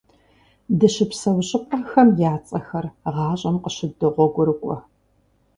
Дыщыпсэу щӀыпӀэхэм я цӀэхэр гъащӀэм къыщыддогъуэгурыкӀуэ.